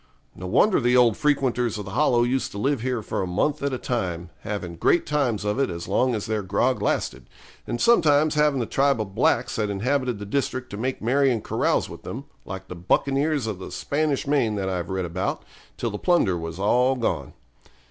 No wonder the old frequenters of the Hollow used to live here for a month at a time, having great times of it as long as their grog lasted; and sometimes having the tribe of blacks that inhabited the district to make merry and carouse with them, like the buccaneers of the Spanish Main that I've read about, till the plunder was all gone.